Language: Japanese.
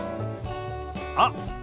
あっ！